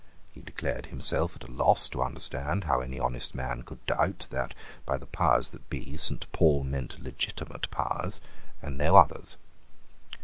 He declared himself at a loss to understand how any honest man could doubt that, by the powers that be, Saint Paul meant legitimate powers and no others.